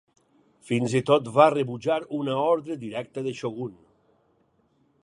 Fins i tot va rebutjar una ordre directa de Shogun.